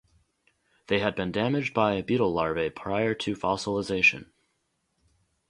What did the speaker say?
They had been damaged by beetle larvae prior to fossilisation.